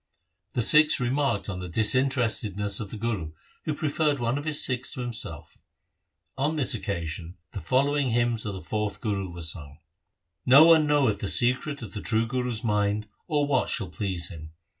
The Sikhs remarked on the dis interestedness of the Guru, who preferred one of his Sikhs to himself. On this occasion the following hymns of the fourth Guru were sung :— No one knoweth the secret of the true Guru's mind or what shall please him.